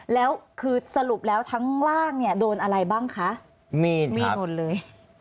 แล้วคือสรุปแล้วทั้งล่างเนี่ยโดนอะไรบ้างคะมีดมีดหมดเลย